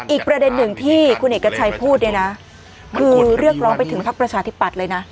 อีกประเด็นหนึ่งที่คุณเอกชัยพูดเนี่ยนะคือเรียกร้องไปถึงพักประชาธิปัตย์เลยนะ